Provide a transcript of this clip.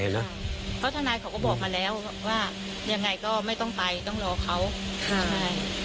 เพราะทนายเขาก็บอกมาแล้วว่ายังไงก็ไม่ต้องไปต้องรอเขาใช่